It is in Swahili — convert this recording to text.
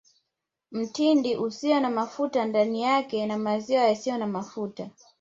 Mtindi usio na mafuta ndani yake na maziwa yasiyo na mafuta